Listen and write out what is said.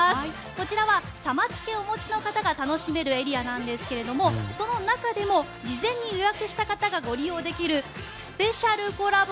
こちらはサマチケをお持ちの方が楽しめるエリアなんですけどもその中でも事前に予約された方がご利用できるスペシャルコラボ